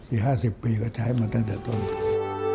อีก๕๐ปีก็ใช้มาตั้งแต่ต้น